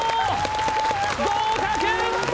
合格！